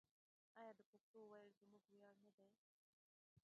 آیا د پښتو ویل زموږ ویاړ نه دی؟